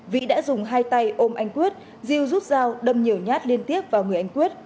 vĩ đã dùng hai tay ôm anh quyết diêu rút dao đâm nhiều nhát liên tiếp vào người anh quyết